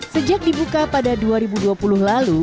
sejak dibuka pada dua ribu dua puluh lalu